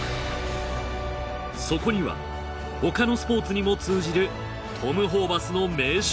そこには他のスポーツにも通じるトム・ホーバスの名将